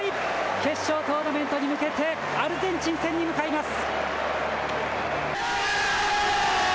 決勝トーナメントに向けて、アルゼンチン戦に向かいます。